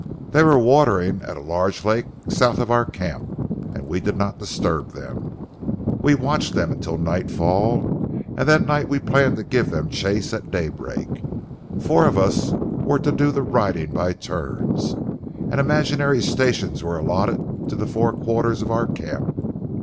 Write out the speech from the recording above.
They were watering at a large lake south of our camp, and we did not disturb them. We watched them until nightfall, and that night we planned to give them chase at daybreak. Four of us were to do the riding by turns, and imaginary stations were allotted to the four quarters of our camp.